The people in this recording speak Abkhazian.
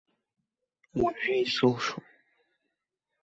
Уажәы исылшом.